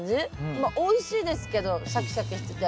まあおいしいですけどシャキシャキしてて。